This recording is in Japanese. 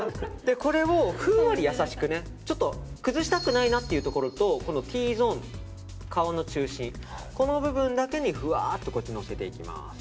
これをふんわりやさしく崩したくないなというところとＴゾーン、顔の中心この部分だけにふわっとのせていきます。